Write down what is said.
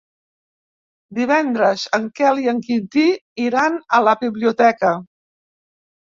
Divendres en Quel i en Quintí iran a la biblioteca.